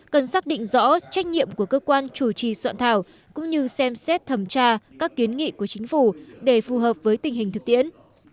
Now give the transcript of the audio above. cần xác định rõ trách nhiệm của cơ quan chủ trì soạn thảo cũng như xem xét thẩm tra các kiến nghị của chính phủ để phù hợp với tình hình thực tiễn